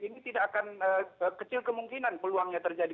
ini tidak akan kecil kemungkinan peluangnya terjadi